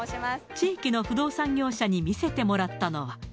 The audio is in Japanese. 地域の不動産業者に見せてもらったのは。